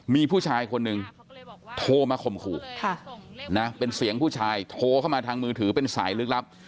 มีผู้ชายคนหนึ่งโทรมาข่มขู่เป็นเสียงผู้ชายโทรเข้ามาทางมือถือเป็นสายลึกลับ